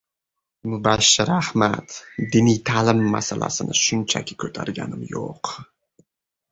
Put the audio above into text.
Mubashshir Ahmad: "Diniy ta’lim masalasini shunchaki ko‘targanim yo‘q!"